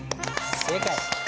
正解！